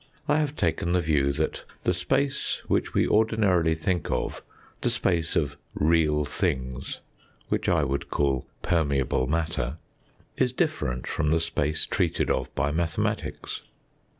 I have taken the view that the space which we ordinarily think of, the space of real things (which I would call permeable matter), is different from the space treated of by mathematics.